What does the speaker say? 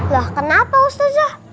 lah kenapa ustazah